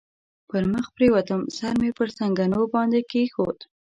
پر مخ پرېوتم، سر مې پر زنګنو باندې کېښود.